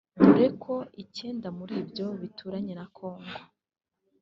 dore ko icyenda muri byo bituranye na Congo